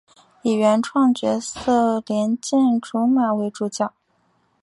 以原创角色莲见琢马为主角。